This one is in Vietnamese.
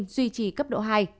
duy trì cấp độ hai